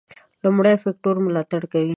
لومړي فکټور ملاتړ کوي.